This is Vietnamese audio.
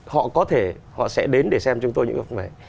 họ có thể họ sẽ đến để xem chúng tôi như vậy